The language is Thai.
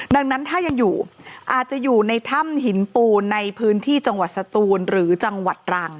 ดังนั้นถ้ายังอยู่อาจจะอยู่ในถ้ำหินปูนในพื้นที่จังหวัดสตูนหรือจังหวัดรัง